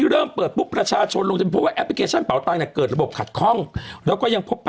เริ่มเปิดปุ๊บประชาชนลงจะมีความพบว่าแอปพลิเคชันเป๋าตั้งน่ะเกิดระบบขัดคล่อง